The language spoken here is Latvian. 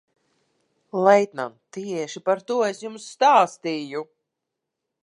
Leitnant, tieši par to es jums stāstīju.